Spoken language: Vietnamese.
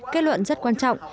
kết luận rất quan trọng